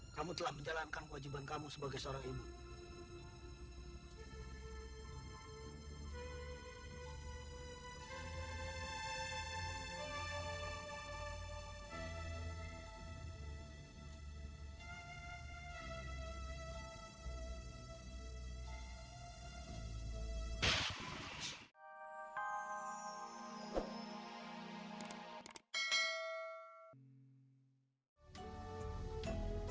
kamu telah menjalankan wajiban kamu sebagai seorang imam